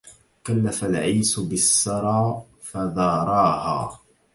كلف العيس بالسرى فذراها